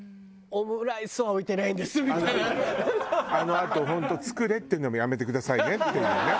あと本当作れっていうのもやめてくださいねっていうね。